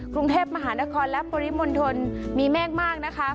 กรุงเทพมหานครและปริมณฑลมีเมฆมากนะคะ